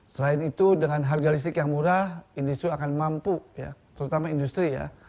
selain itu dengan harga listrik yang murah industri akan mampu ya terutama industri ya